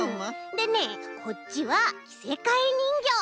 でねこっちはきせかえにんぎょう。